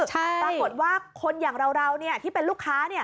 ปรากฏว่าคนอย่างเราที่เป็นลูกค้า